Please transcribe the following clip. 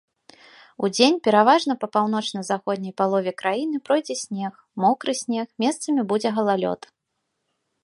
Удзень пераважна па паўночна-заходняй палове краіны пройдзе снег, мокры снег, месцамі будзе галалёд.